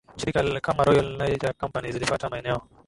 shirika kama Royal Niger Company zilipata maeneo